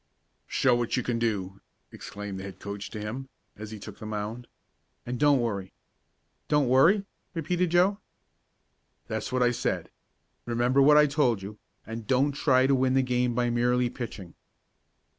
"Show what you can do!" exclaimed the head coach to him as he took the mound. "And don't worry." "Don't worry?" repeated Joe. "That's what I said. Remember what I told you, and don't try to win the game by merely pitching."